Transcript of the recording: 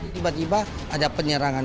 tiba tiba ada penyerangan